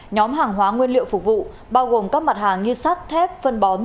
nhóm hàng hóa nguyên liệu phục vụ bao gồm các mặt hàng như sắt thép phân bón